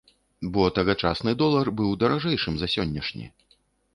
Бо тагачасны долар быў даражэйшым за сённяшні.